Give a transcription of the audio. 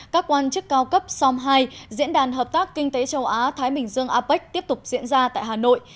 các quan chức cao cấp som hai diễn đàn hợp tác kinh tế châu á thái bình dương apec tiếp tục diễn ra tại hà nội